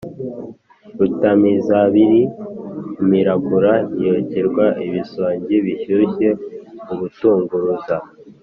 Rutamizabiri umiragura yokerwa ibisogi bishyushye ubutunguruza